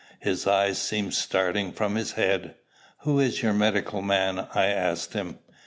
His eyes seemed starting from his head. "Who is your medical man?" I asked him.